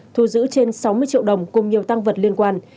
thu giữ trên sáu mươi triệu đồng cùng nhiều tăng vật liên quan